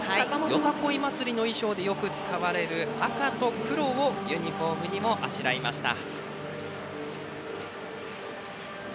よさこい祭りの衣装でよく使われる赤と黒をユニフォームにもあしらいました。